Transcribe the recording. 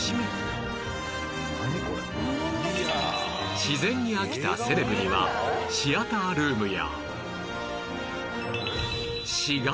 自然に飽きたセレブにはシアタールームや